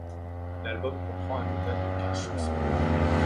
L'album comprend un total de quinze chansons.